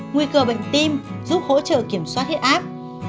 nguy cơ bệnh tim giúp hỗ trợ kiểm soát huyết áp